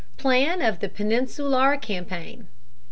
Plan of the Peninsular Campaign.